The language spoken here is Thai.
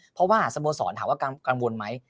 เพราะว่าสโมสรถามว่ากังวลไหม